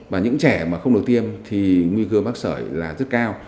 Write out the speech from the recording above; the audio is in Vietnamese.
và những trẻ mà không được tiêm thì nguy cơ mắc sởi là rất cao